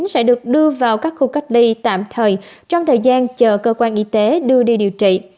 sẽ được đưa vào các khu cách ly tạm thời trong thời gian chờ cơ quan y tế đưa đi điều trị